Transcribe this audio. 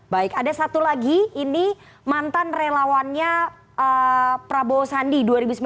baik ada satu lagi ini mantan relawannya prabowo sandi dua ribu sembilan belas